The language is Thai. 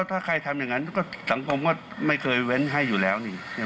ถ้าใครทำอย่างนั้นสังคมก็ไม่เคยเว้นให้อยู่แล้วนี่